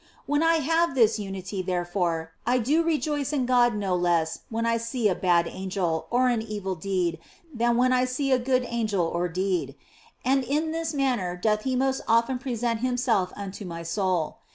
When I have this unity, therefore, I do rejoice in God no less when I see a bad angel, and an evil deed than when I see a good angel or deed ; and in this manner doth He most often present Himself unto my soul.